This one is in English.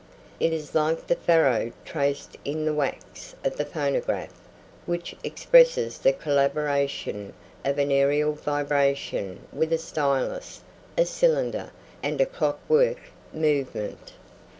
It is like the furrow traced in the wax of the phonograph which expresses the collaboration of an aërial vibration with a stylus, a cylinder, and a clock work movement.